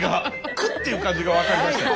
クッていう感じが分かりました。